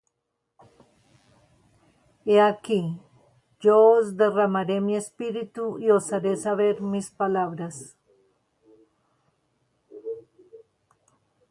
He aquí yo os derramaré mi espíritu, Y os haré saber mis palabras.